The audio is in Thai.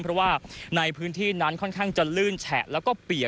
เพราะว่าในพื้นที่นั้นค่อนข้างจะลื่นแฉะแล้วก็เปียก